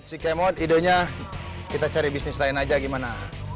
si kemot idenya kita cari bisnis lain aja gimana